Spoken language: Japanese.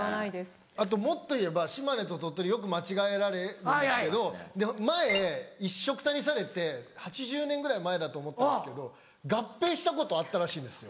あともっと言えば島根と鳥取よく間違えられるんですけど前一緒くたにされて８０年ぐらい前だと思ったんですけど合併したことあったらしいんですよ。